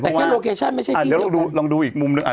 เพราะว่าแต่แค่โลเคชั่นไม่ใช่เดียวกันอ่าเดี๋ยวลองดูลองดูอีกมุมนึงอ่า